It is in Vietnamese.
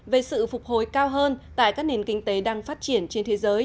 về sự phục hồi cao hơn tại các nền kinh tế đang phát triển trên thế giới